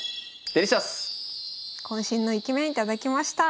こん身のイケメン頂きました。